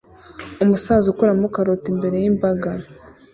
Umusaza ukuramo karoti imbere yimbaga